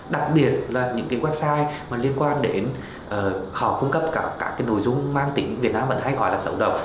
đặc biệt những website liên quan đến họ cung cấp các nội dung mang tính việt nam vẫn hay gọi là xấu độc